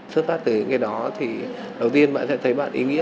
xuất phát từ những cái đó thì đầu tiên bạn sẽ thấy bạn ý nghĩa